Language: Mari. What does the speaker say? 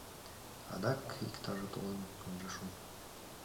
Адак иктаже толын ынже шу.